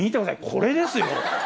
これですよ。